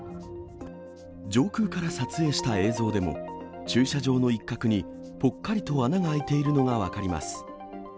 上空から撮影した映像でも、駐車場の一角にぽっかりと穴が開いているのが分かります。